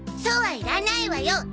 「ソ」はいらないわよ。